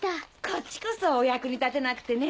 こっちこそお役に立てなくてね。